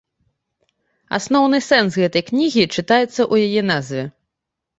Асноўны сэнс гэтай кнігі чытаецца ў яе назве.